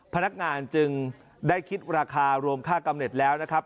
พนักงานจึงได้คิดราคารวมค่ากำเน็ตแล้วนะครับ